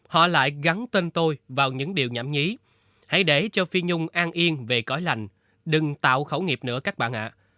họ lại gắn tên tôi vào những điều nhảm nhí hãy để cho phi nhung an yên về cõi lành đừng tạo khẩu nghiệp nữa các bạn ạ